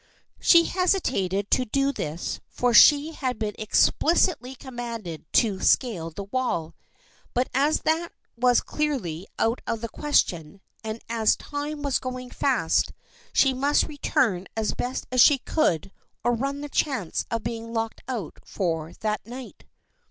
She hesitated to do this for she had been explicitly commanded to " scale the wall/' but as that was clearly out of the question and as time was going fast, she must re turn as best she could or run the chance of being locked out for the night.